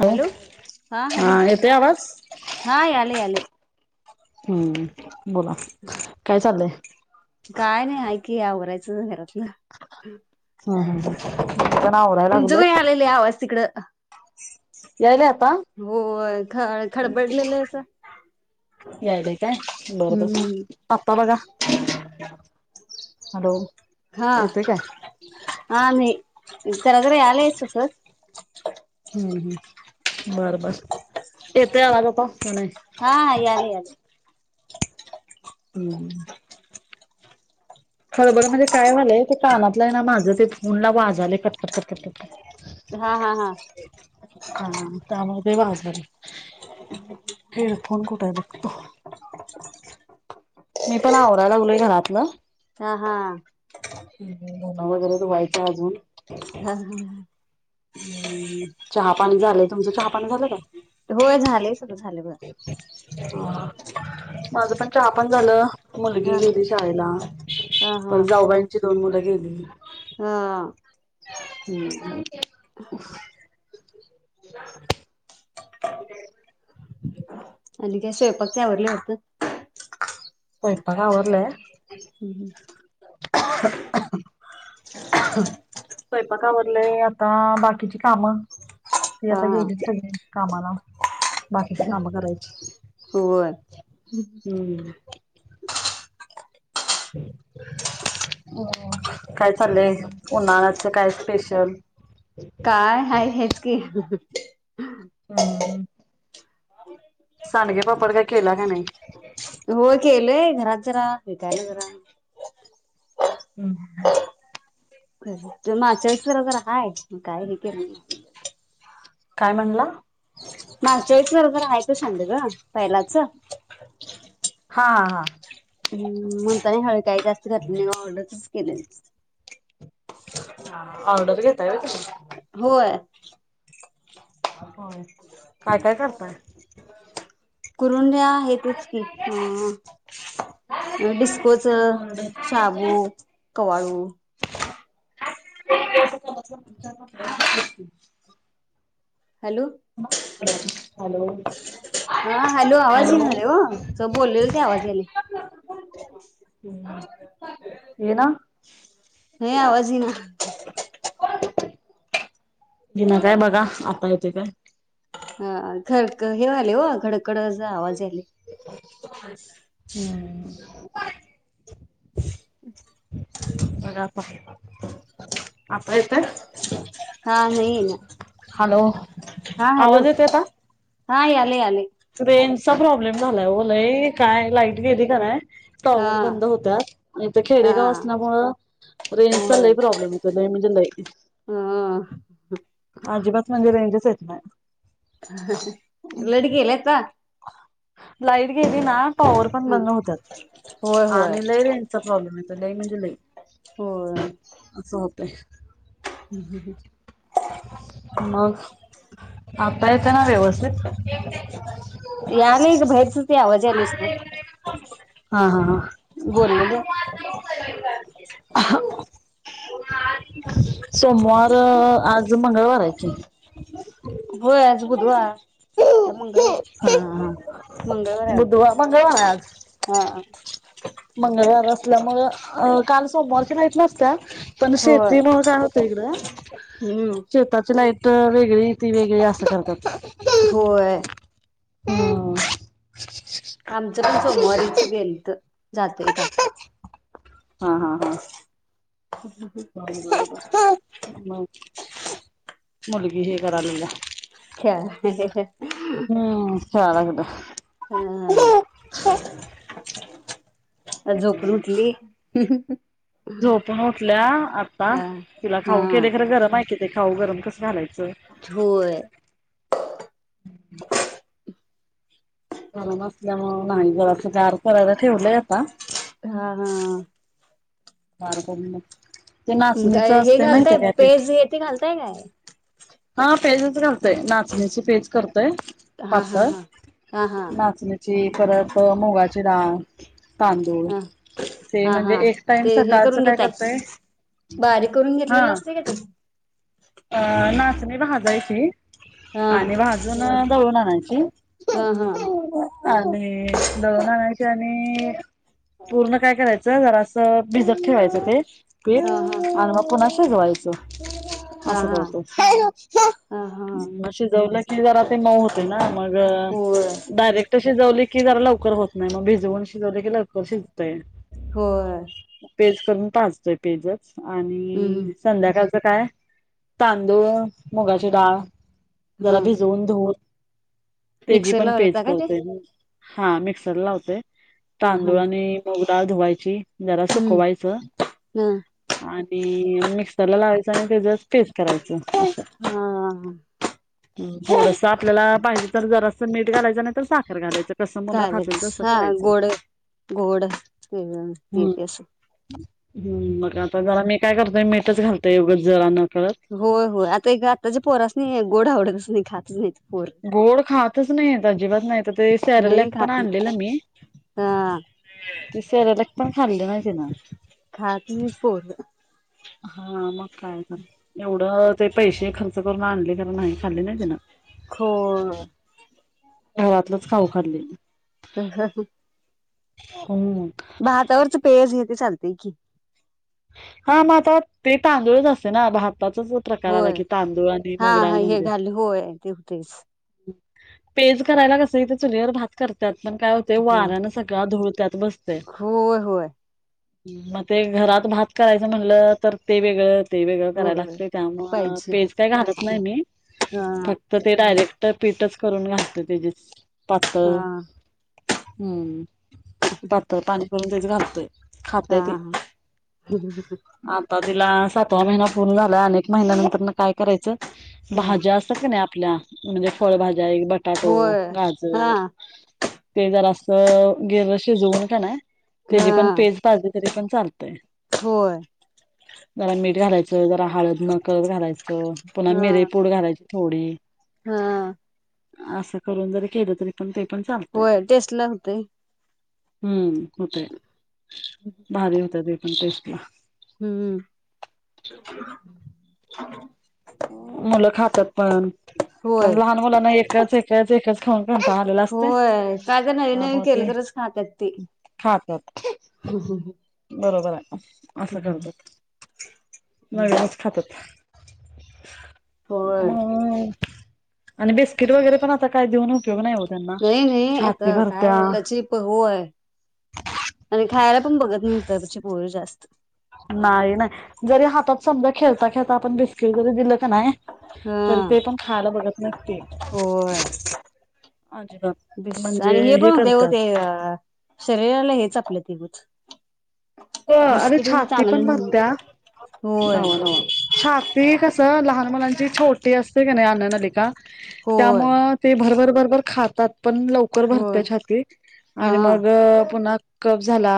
ह हॅलो हा येतय आवाज हा याले याले हम्म बोला काय चालंय. काय नाही ऐक आवरायचं घरातलं ह ह. तुमचं पण यालय लई आवाज तिकडं याल्यात हो ख खडबडलेलं असं यालय काय बर बर हम्म आत्ता बघा [inaudible] हॅलो हा येतोय काय? आणि जरा जरा यालयस तस हम्म हम्म बर बर ये ते आवाज आता. का नाही? हा यालय यालय. हम्म. [inaudible] खडबड म्हणजे काय व्हालय ते कानातलं हाय ना माझं ते फोनला वाजालय कटकट कट हा हा हा हा त्यामध्ये बाजार हेड फोन कुठय बघ [inaudible] मी पण आवराय लागलोय घरातलं हा हा धून वगैरे धुवायचय अजून हा हम ह हम्म चहा पाणी झालं तुमचं चहा पाणी झालं का होय झालय सगळं झालं हा बघा माझं पण चहा पण झालं मुलगी गेली शाळेला हा हा पण जाऊबाईची दोन मुलं गेली ह् हा हम्म अ ह आणि जे स्वयंपाक ते आवरलंय वाटत स्वयंपाक आवरलाय हम् हम् स्वयंपाक आवरले आता बाकीची काम ते हा आता गेलेत सगळे कामला बाकीची काम करायची हो हम्म अ काय चाललंय उन्हाळ्याच काय स्पेशल काय आहे हेच की हम्म सांडगे पापड काय केला का नाही होय केलय घरात जरा [unintelligible] हम्म [unintelligible] काही घ के काय म्हणला मागच्यावेळेच जरा जरा हाय ग सांडाग पहिलाच हा हा हम्म मुलतानी हळदी काही जास्त घातलं नाही ऑर्डरच केले ऑर्डर घेताय होय तुम्ही होय होय. काय काय करताय? म्हणजे आहे तेच की अ डिस्कोच हॅलो शाबू कवाळू [unintelligible] म [inaudible] [inaudible] हॅलो परब हा हॅलो आवाज ये ना रे हो स बोललेल ते आवाज आले येन हे आवाजही ईना बिना काय बघा आपल ते काय ह खर क हे वालय हो खडखड असा आवाज आ हम्म पण परब आपल्या इथं हा नाही येईना हॅलो आवाज येतोय का हा‌ याले याले र्रेजचा प्रॉब्लेम झालाय ओ लय काय लाईट गेली का नाई हा टॉवर बंद होतात नाहीत हा खेडेगाव असल्यामुळ रेंजचा होय लय प्रॉब्लेम येतोय लय म्हणजे लय हम्म अजिबात म्हणजेें रेंजच येत बाय ह ह ह लाईट गेल्या का लाईट गेली ना टॉवर पण हम्म. बंद होत्यात होय होय. आणि रेंज चा प्रॉब्लेम आहे लई म्हणजे लई होय अस होत. [unintelligible] मग आता येतं ना व्यवस्थित. यालग बाहेरच ते आवाज आलीस ना हा हा बोललेलं कोण आली मधुनच सोमवार आज आज मंगळवार‌ हाय ऍक्च्युली. होय आज बुधवार का मंगळवार ह हा मंगळवार हाय वाटतं बुधव मंगळवार हाय आज हा मंगळवार असल्यामुळ काल सोमवारची लाईट नसत्या पण होय. शेतीमुल काय होत इगड हम्म शेताची लाईट त वेगळी ती वेगळी असं करतात. होय. हम्म. आमचं पण सोमवारीच गेलंत. जात एका हा हा हा. मुलगी हे करालाल्या खेळाय. हम्म खेळालागलया हा [unintelligible] झोपून उठली [unintelligible] झोपून उठल्या आत्ता हा तिला हा खाऊ केल्या खरं गरम आहे की ते खाऊ गरम कस घालायचं होय. गरम असल्यामुळं नाही जरास गार करायला ठेवलय आता हा आता हा. [unintelligible] ते हम्म नाचणीच काय हे असते घालताय माहितीय काय पीठ पेज ते घालताय काय हा पेजच घालते. ते नाचणीची पेज करते हा हा पातळ, हा. हा हा नाचणीची परत मुगाची जरा तांदूळ हा ते हा हा म्हणजे एक टाइम ते हे सकाळच करून काय घेताय करतय, बारीक करून हा, घेतलेलं असते का ते ना भाजायची हा आणि भाजून दळून दळून आणायची हा हा आणि दळून आणायची आणि आणि पूर्ण काय करायचं जरास भिजत ठेवायचं ते पीठ हा हा आणि मग पुन्हा भिजवायचं हा असं हा करतो हा हा शिजवलं की जरा ते मऊ होते ना, मग होय डायरेक्ट शिजवलं की जरा लवकर होत नाही मग भिजवून शिजवले की लकर शिजतंय. होय. पेज करून पाजतोय पेजच आणि हम्म संध्याकाळचं काय तांदूळ मुगाची डाळ हा जरा भिजवून धुवून त्याची मिक्सर पण पेज लावलता का ते करतोय हा मिक्सरला लावतो हा हा तांदुळ आणि डाळ धुवायची जरा हम्म सुकवायचं ह आणि मिक्सरला लावायच त्याच पेस्ट करायचं असं हा थोडस आपल्याला पाहिजे तर जरास मीठ घालायचं नाही तर साखर घालायचं कसं मुलं चालेल खातील तसं हा करायचं. गोड गोड हम्म. हम्म मग आता जरा मी काय करतोय मीठच घालतोय उगच त्यातन होय होय आता एक त्याच्या पोरास्नी गोड आवडत तच नाही खातच नाहीत पोर गोड खातच नाही अजिबात नाही तर ते सार्लॅक नाही पण खात आणलेला मी हा ते सॅरलक पण खाल्ले नाही तीन खात नाहीत पोर हा म काय का एवढं ते पैसे खर्च करून आणले नाही खाली नाही ज ना होय घरातलंच खाऊ खाल्ली होम भातावरच पेज घेतल तरी चालतेय की हा मग आता ते तांदूळच असते ना भात आताचाच प्रकार आला होय की तांदूळ आणि हा हा मोगडांळ हे म्हणजे घाल होय ते होतेच पेज करायला कसं चुली वर भात करतात पण काय होते होय वऱ्यान सगळा धूर होय होय म ते घरात भात करायचं म्हटलं तर ते वेगळं ते वेगळं कराय होय लागतंय त्यामुळं पाहिजे पेज काय घालत नाही नाही मी हा फक्त ते डायरेक्ट तर पीठच करून घालतो हा पातळ हम्म पातळ पानी भिजत घालतोय हा खात्या ती हम् आता तिला सातवा महिना पूर्ण झाला अनेक महिन्यानंतर काय करायचं ह भाज्या असतात का नाही आपल्या म्हणजे फळभाज्या बटाटो होय हा गाजर ते जरा असं गिर्रर्र शिजवून घ्यायचं हा तेची पण पेज पाजली तरी पण चालतय होय जरा मीठ घालायचं जरा हळद नकळत घालायचं पुन्हा हा मिर पूड घालायची थोडी हा असं करून जरी केलं तरी पण ते पण चालतंय होय टेस्ट लागतंय हम्म होय भारी होतात हे [unintelligible] हम्म मुलं खातात पण होय पण लहान मुलांना एकच एक एकच खाऊन आलेला असते होय काय तर नवीन नवीन केलं तरच खातात ते होय मग आणि बिस्किट वगैरे तेवढा नाही हो त्यांना नाही नाही छाती आता काय भरत्या आताची होय आणि खायला पण बघत नाहीत आताची पोर नाही नाही जरी हातात समजा खेळता खेळता आपण बिस्किट जरी दिलं नाही त हा ते पण खायला बघत नाहित होय बिस् आणि हे पण होते हो ते अ शरीराला हेच आपलं हो अरे बिस्किट छाती चांगलं पण न भरत्या होय नव नव छाती कस लहान मुलांची छोटी असते कनय अंन्ननलिका होय त्यामुळं ते भर बरोबर खातात पण लवकर होय भरत्या छाती हा आणि मग पुन्हा कफ झाला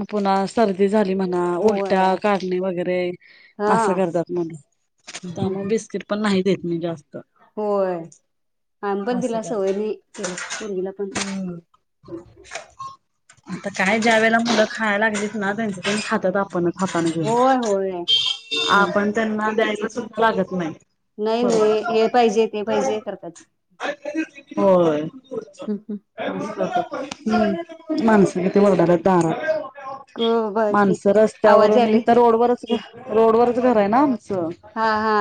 अ पुना सर्दी झाली म्हणा होय उलट्या काढणी वगैरे हा देत नाही होय आम्ही पण असं तिला सवय करतात केली पोरगी ला पण हम्म आता काय ज्या वेळेला मुलं खायला लागलीत ना त्यांच त्यांनी खात हातानं घेऊन होय होय आपण त्यांना काय लागत नाही नाही नाही हे पाहिजे ते पाहिजे करताच हो हम् माणसं किती वरडायल्यात दारात बाकी माणस आवाज रस्त्यावरून यायलय हित रोडवर रोडवरच त्या आमच हा हा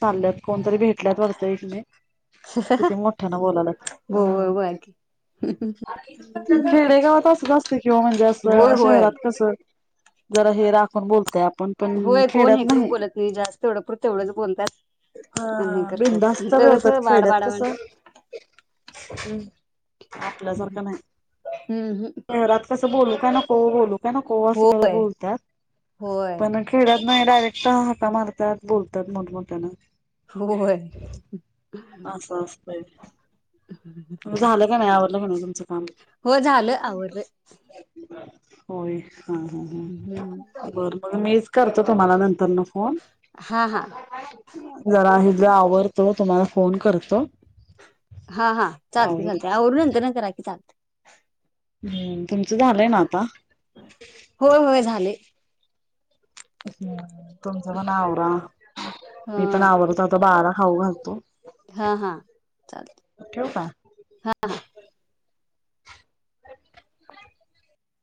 चालत कोणतरी भेटल्यात वाटतंय किती मोठ्यान बोलाय लागल्यात होय बाकी खेडेगावात असंच असतय किंवा म्हणजे होय असं होय शहरातल पण जरा हे राखून बोलतोय आपन आपण पण होय कोण खेडत हे करून नाही बोलत जास्त तेवढं पुरत तेवढंच बोलतात आणि हे अ करतात बिंदास्त इथं बोलतात कसं बाड खेड्या बाड त कस बाड ह हम्म हम् शहरात कसं बोलू काय नको बोलू नको अस होय, बोलतात होय, पण खेड नाही डायरेक्ट हाका मारतात बोलतात मग त्यांना होय अस बर झालं का नाही आवरलं तुच हो झालं आवरल होय हा हा हा मग मीच करतो तुम्हाला नंतर हा हा, ज [unintelligible] [unintelligible] फोन करतो हा हा चालते चालते आवरून नंतर न करा की चालत हम् तुमचं झालंय ना आता होय होय झाले, हम् तुमच पण आवरा ह, मी पण आवरतो आता पसारा खाऊ घालतो हा हा चाल ठेवू का? हा हा